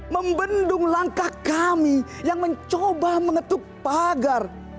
membendung langkah kami yang mencoba mengetuk pagar